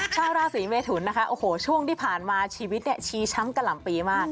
ชาวราศีเมทุนนะคะโอ้โหช่วงที่ผ่านมาชีวิตเนี่ยชีช้ำกะหล่ำปีมาก